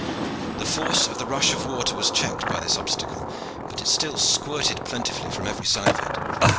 The force of the rush of water was checked by this obstacle, but it still squirted plentifully from every side of it.